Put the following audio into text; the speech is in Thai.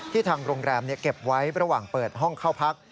ทางโรงแรมเก็บไว้ระหว่างเปิดห้องเข้าพัก